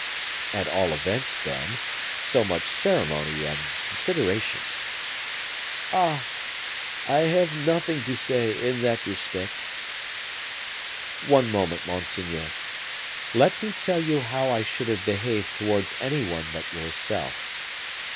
"At all events, then, so much ceremony and consideration." "Ah! I have nothing to say in that respect." "One moment, monseigneur: let me tell you how I should have behaved towards any one but yourself.